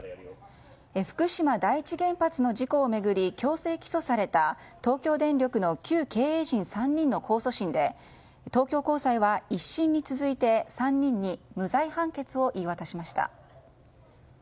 福島第一原発の事故を巡り強制起訴された東京電力の旧経営陣３人の控訴審で東京高裁は１審に続いて３人に無罪判決を言い渡しました。